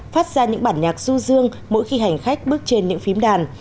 phát ra những bản nhạc du dương mỗi khi hành khách bước trên những phím đàn